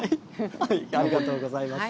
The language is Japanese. ありがとうございます。